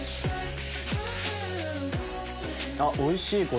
おいしい！